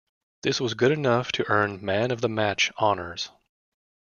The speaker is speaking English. This was good enough to earn Man of the Match honours.